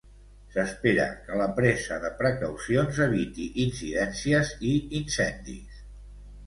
S'espera que la presa de precaucions eviti incidències i incendis.